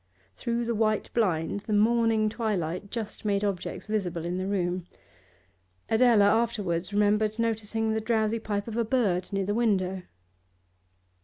Through the white blind the morning twilight just made objects visible in the room; Adela afterwards remembered noticing the drowsy pipe of a bird near the window.